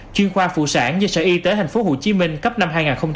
chuyên khoa phụ sản do sở y tế tp hcm cấp năm hai nghìn một mươi